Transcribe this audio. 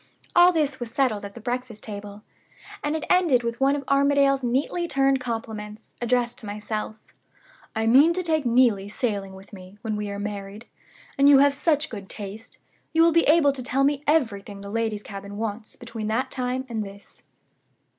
All this was settled at the breakfast table; and it ended with one of Armadale's neatly turned compliments, addressed to myself: 'I mean to take Neelie sailing with me, when we are married. And you have such good taste, you will be able to tell me everything the ladies' cabin wants between that time and this.